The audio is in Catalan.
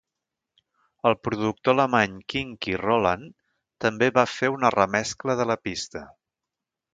El productor alemany Kinky Roland també va fer una remescla de la pista.